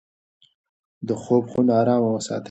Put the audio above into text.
د خوب خونه ارامه وساتئ.